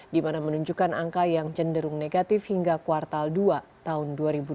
dimana menunjukkan angka yang cenderung negatif hingga kuartal dua tahun dua ribu delapan belas